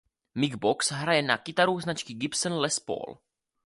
Mick Box hraje na kytaru značky Gibson Les Paul.